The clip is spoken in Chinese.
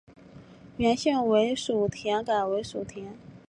原姓为薮田改成薮田。